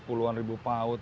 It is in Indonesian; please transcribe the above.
puluhan ribu paut